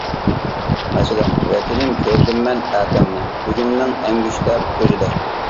مەسىلەن: ۋەتىنىم كۆردۈممەن ئەتەڭنى، بۈگۈننىڭ ئەڭگۈشتەر كۆزىدە.